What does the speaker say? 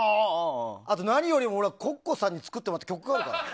何よりも、Ｃｏｃｃｏさんに作ってもらった曲があるから。